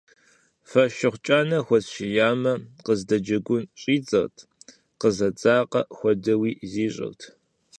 Фошыгъу кӀанэр хуэсшиямэ, къыздэджэгун щӀидзэрт, къызэдзакъэ хуэдэуи зищӀырт.